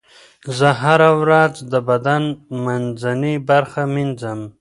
زه هره ورځ د بدن منځنۍ برخه مینځم.